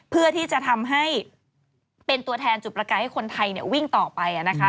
เพื่อที่จะทำให้เป็นตัวแทนจุดประกายให้คนไทยวิ่งต่อไปนะคะ